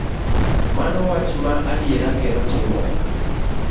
Mano wach ma adiera kendo timore.